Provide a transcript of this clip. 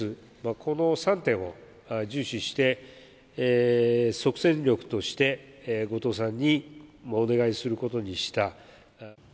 この３点を重視して即戦力として後藤さんにお願いすることにした。